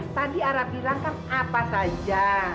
tadi ara bilang kan apa saja